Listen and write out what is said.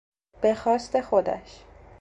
به خواست خودش